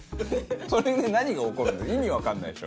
それで何が起こるのか意味分かんないでしょ。